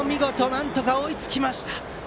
なんとか追いつきました。